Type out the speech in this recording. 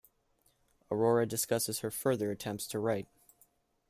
Aurora discusses her further attempts to write.